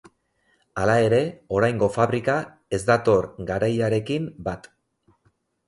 Hala ere, oraingo fabrika ez dator garaiarekin bat.